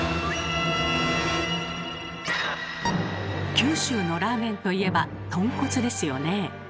九州のラーメンといえばとんこつですよね。